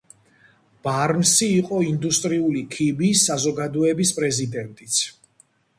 ბარნსი იყო ინდუსტრიული ქიმიის საზოგადოების პრეზიდენტიც.